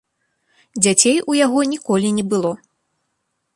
Дзяцей у яго ніколі не было.